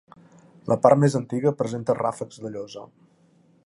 La part més antiga presenta ràfecs de llosa.